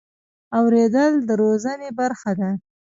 اورېدل د روزنې برخه ده.